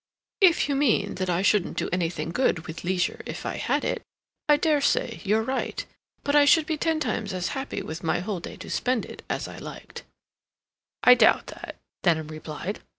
"If you mean that I shouldn't do anything good with leisure if I had it, I dare say you're right. But I should be ten times as happy with my whole day to spend as I liked." "I doubt that," Denham replied.